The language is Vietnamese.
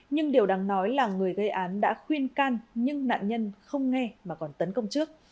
nhưng điều đáng nói là người gây án đã khuyên can nhưng nạn nhân không nghe mà còn tấn công trước